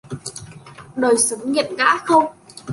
Đời sống nghiệt ngã không